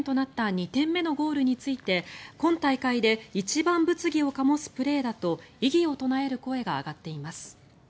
２点目のゴールについて今大会で一番物議を醸すプレーだと異議を唱える声が上がっています。